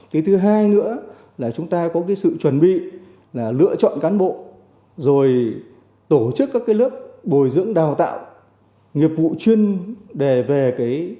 cái thứ hai nữa là chúng ta có cái sự chuẩn bị là lựa chọn cán bộ rồi tổ chức các cái lớp bồi dưỡng đào tạo nghiệp vụ chuyên đề về cái